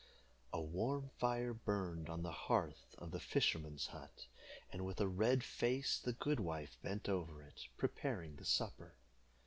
A warm fire burned on the hearth of the fisherman's hut, and with a red face the good wife bent over it, preparing the supper.